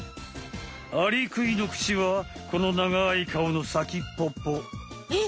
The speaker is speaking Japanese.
アリクイの口はこのながい顔のさきっぽっぽ。え？